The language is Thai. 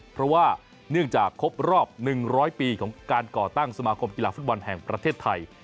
เพราะว่าเนื่องจากครบรอบ๑๐๐ปีของการก่อตั้งสมาคมกีฬาฟุตบอลแห่งประเทศไทย